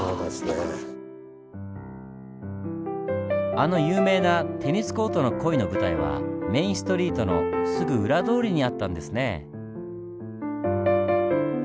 あの有名なテニスコートの恋の舞台はメインストリートのすぐ裏通りにあったんですね。